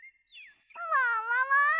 ももも！